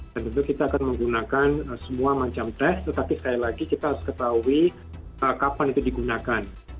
dan tentu kita akan menggunakan semua macam tes tetapi sekali lagi kita harus ketahui kapan itu digunakan